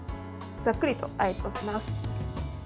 ざっくりとあえておきます。